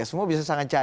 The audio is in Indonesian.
semua bisa sangat cair